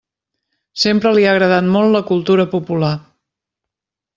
Sempre li ha agradat molt la cultura popular.